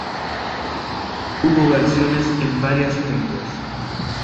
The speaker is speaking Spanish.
Hubo versiones en varias lenguas.